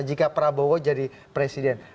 jika prabowo jadi presiden